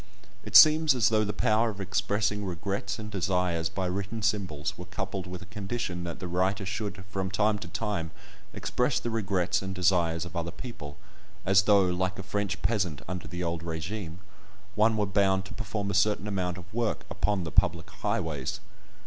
It seems as though the power of expressing regrets and desires by written symbols were coupled with a condition that the writer should from time to time express the regrets and desires of other people; as though, like a French peasant under the old régime, one were bound to perform a certain amount of work upon the public highways.